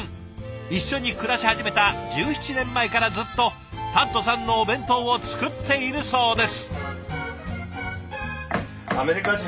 一緒に暮らし始めた１７年前からずっとタッドさんのお弁当を作っているそうです。